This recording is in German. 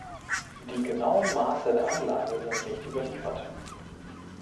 Die genauen Maße der Anlage sind nicht überliefert.